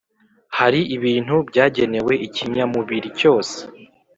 Hari ibintu byagenewe ikinyamubiri cyose,